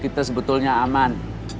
kita sebetulnya aman